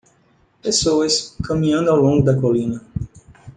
Pessoas caminhando ao longo da colina.